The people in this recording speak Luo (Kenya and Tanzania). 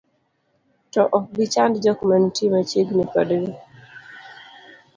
to ok gichand jok manitie machiegni kodgi